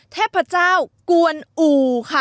เทพเจ้ากวนอู่ค่ะ